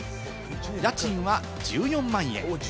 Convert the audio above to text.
家賃は１４万円。